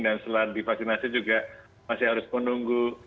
dan setelah divaksinasi juga masih harus menunggu